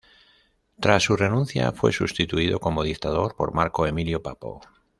Tras su renuncia, fue sustituido como dictador por Marco Emilio Papo.